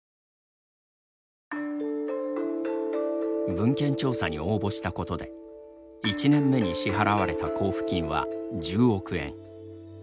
文献調査に応募したことで１年目に支払われた交付金は１０億円。